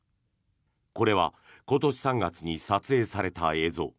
これは今年３月に撮影された映像。